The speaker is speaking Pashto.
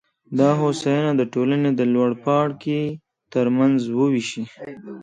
دا هوساینه د ټولنې د لوړپاړکي ترمنځ ووېشي.